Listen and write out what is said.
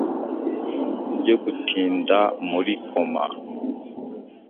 byo gutinda muri coma